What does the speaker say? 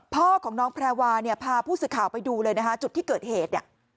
พ่อของน้องแพรวากดไปดูจุดที่เกิดเหตุ